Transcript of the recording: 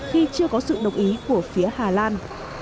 khi chưa có sự đồng ý của phía hà lan